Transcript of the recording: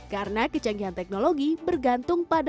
karena kecanggihan teknologi bergantung pada istilahnya